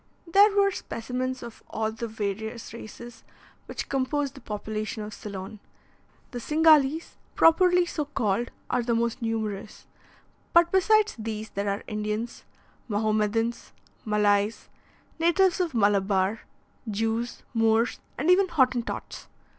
There were specimens of all the various races which compose the population of Ceylon. The Cingalese, properly so called, are the most numerous, but, besides these, there are Indians, Mahomedans, Malays, natives of Malabar, Jews, Moors, and even Hottentots.